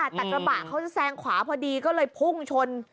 แต่กระบะเขาจะแซงขวาพอดีก็เลยพุ่งชน